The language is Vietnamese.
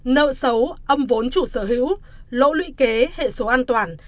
nợ xấu âm vốn chủ sở hữu lỗ lũy kế hệ số an toàn